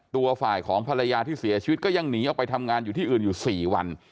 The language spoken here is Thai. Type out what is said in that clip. ตัวฝ่ายของภรรยาที่เสียชีวิตก็ยังหนีออกไปทำงานอยู่ที่อื่นอยู่๔วัน